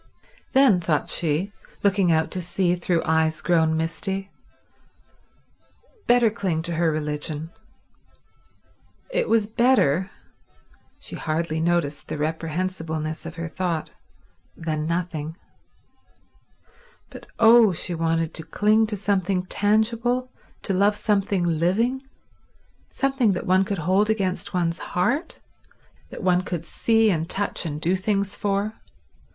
Then, thought she, looking out to sea through eyes grown misty, better cling to her religion. It was better—she hardly noticed the reprehensibleness of her thought—than nothing. But oh, she wanted to cling to something tangible, to love something living, something that one could hold against one's heart, that one could see and touch and do things for.